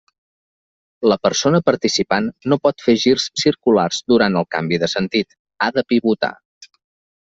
La persona participant no pot fer girs circulars durant el canvi de sentit, ha de pivotar.